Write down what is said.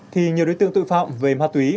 thì nhiều đối tượng tội phạm về ma tuế